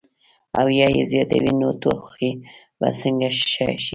او يا ئې زياتوي نو ټوخی به څنګ ښۀ شي -